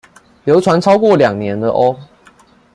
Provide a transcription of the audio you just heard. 流傳超過兩年了喔